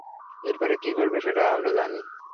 এরপরে কী ঘটবে সেটা আমরা জানি!